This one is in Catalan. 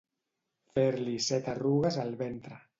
Fer-li set arrugues el ventre.